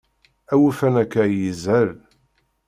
Awufan akka i yeshel.